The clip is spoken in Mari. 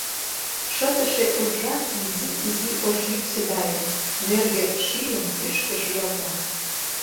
Шытыше уржа изи-изи ош йӱксӧ гае: нӧргӧ шӱйым кӱшкӧ шуялта.